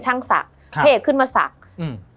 มันทำให้ชีวิตผู้มันไปไม่รอด